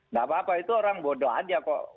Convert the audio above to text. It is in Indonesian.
nggak apa apa itu orang bodoh aja kok